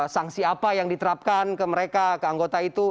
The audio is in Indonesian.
sanksi apa yang diterapkan ke mereka ke anggota itu